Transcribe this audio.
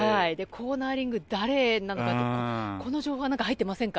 コーナリング、誰なのかとかこの情報は入ってませんか？